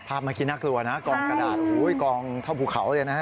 ภาพเมื่อกี้น่ากลัวนะกองกระดาษอุ๊ยกองเท่าผู้เขาเลยนะ